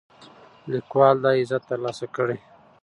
لیکوال دا عزت ترلاسه کړی.